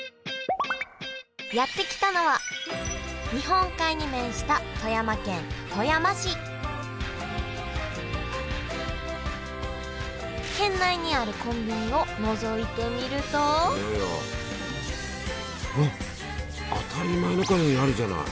やって来たのは日本海に面した富山県富山市県内にあるコンビニをのぞいてみるとあっ当たり前みたいにあるじゃない。